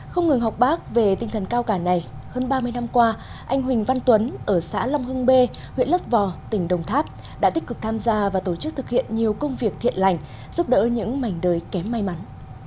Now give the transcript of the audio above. không ngừng học bác về tinh thần cao cả này hơn ba mươi năm qua anh huỳnh văn tuấn ở xã long hưng bê huyện lớp vò tỉnh đồng tháp đã tích cực tham gia và tổ chức thực hiện nhiều công việc thiện lành giúp đỡ những mảnh đời kém may mắn